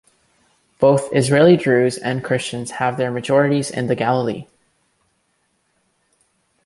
Both Israeli Druze and Christians have their majorities in the Galilee.